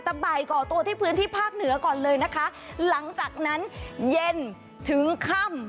บ่ายก่อตัวที่พื้นที่ภาคเหนือก่อนเลยนะคะหลังจากนั้นเย็นถึงค่ำ